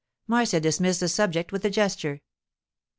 Marcia dismissed the subject with a gesture.